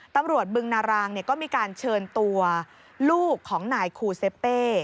บึงนารางก็มีการเชิญตัวลูกของนายคูเซเป้